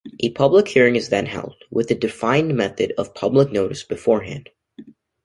A public hearing is then held, with a defined method of public notice beforehand.